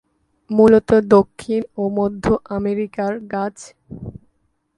মূলত দক্ষিণ ও মধ্য আমেরিকার গাছ।